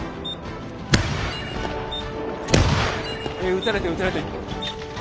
撃たれてる撃たれてる。